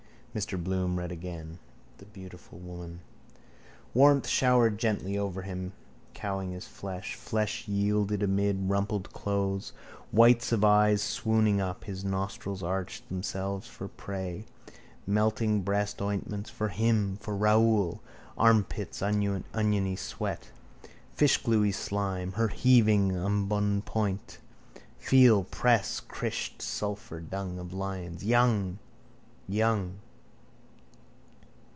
Mr Bloom read again: The beautiful woman. Warmth showered gently over him, cowing his flesh. Flesh yielded amply amid rumpled clothes: whites of eyes swooning up. His nostrils arched themselves for prey. Melting breast ointments (for him! For Raoul!). Armpits' oniony sweat. Fishgluey slime (her heaving embonpoint!). Feel! Press! Crished! Sulphur dung of lions! Young! Young!